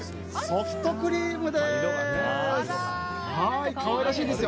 ソフトクリームです。